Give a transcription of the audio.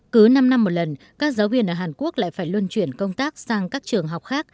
cứ năm năm một lần các giáo viên ở hàn quốc lại phải luân chuyển công tác sang các trường học khác